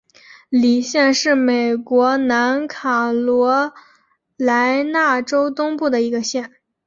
李县是美国南卡罗莱纳州东部的一个县。